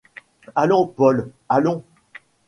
Allons Paul, allons !